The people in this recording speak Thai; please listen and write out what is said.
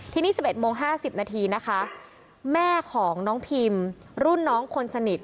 ทีนี้๑๑โมง๕๐นาทีนะคะแม่ของน้องพิมรุ่นน้องคนสนิท